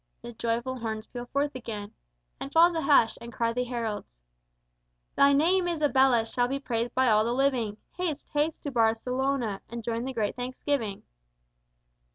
The joyful horns peal forth again, And falls a hush, and cry the heralds: "_Thy name, Isabella, shall be praised by all the living; Haste, haste to Barcelona, and join the Great Thanksgiving!